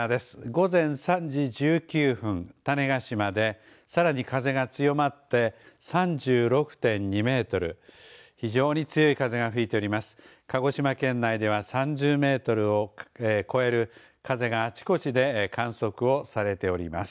午前３時１９分、種子島でさらに風が強まって３６．２メートル、非常に強い風が吹いております。